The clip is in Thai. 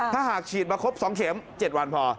ถ้าหากฉีดมาครบ๒เข็ม๗วันพอ